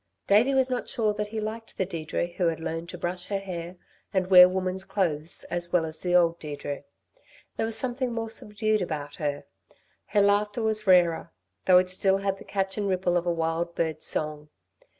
Davey was not sure that he liked the Deirdre who had learnt to brush her hair and wear woman's clothes as well as the old Deirdre. There was something more subdued about her; her laughter was rarer, though it had still the catch and ripple of a wild bird's song.